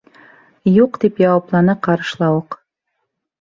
—Юҡ, —тип яуапланы Ҡарышлауыҡ.